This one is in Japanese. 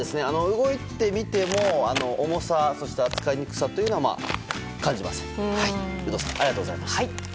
動いてみても、重さそして扱いにくさというのは感じません。